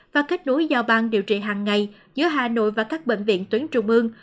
và kết nối giao bang điều trị hàng ngày giữa hà nội và các bệnh viện tuyến trung ương